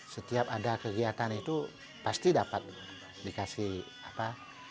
setiap ada kegiatan itu pasti dapat dikasih apa